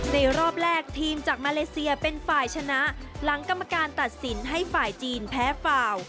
รอบแรกทีมจากมาเลเซียเป็นฝ่ายชนะหลังกรรมการตัดสินให้ฝ่ายจีนแพ้ฟาว